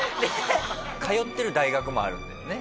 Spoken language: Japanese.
通ってる大学もあるんだよね？